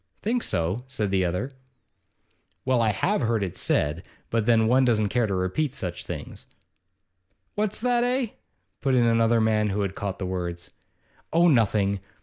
'Think so?' said the other. 'Well, I have heard it said but then one doesn't care to repeat such things.' 'What's that, eh?' put in another man, who had caught the words. 'Oh, nothing.